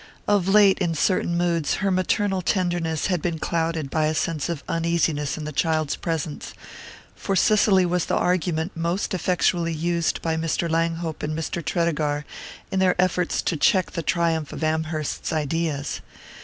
Of late, in certain moods, her maternal tenderness had been clouded by a sense of uneasiness in the child's presence, for Cicely was the argument most effectually used by Mr. Langhope and Mr. Tredegar in their efforts to check the triumph of Amherst's ideas.